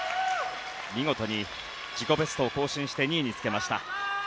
見事に自己ベストを更新して２位につけました。